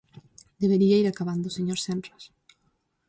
Debería ir acabando, señor Senras.